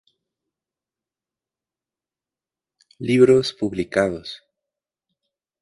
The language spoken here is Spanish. Libros publicados